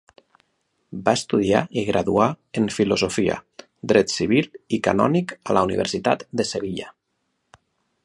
Va estudiar i graduar en filosofia, dret civil i canònic a la Universitat de Sevilla.